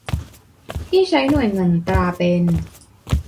ที่ใช้หน่วยเงินตราเป็น